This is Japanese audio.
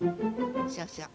そうそう。